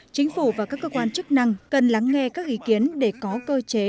chính phủ và các cơ quan chức năng cần lắng nghe các ý kiến để có cơ chế